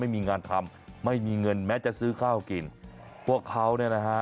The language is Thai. ไม่มีงานทำไม่มีเงินแม้จะซื้อข้าวกินพวกเขาเนี่ยนะฮะ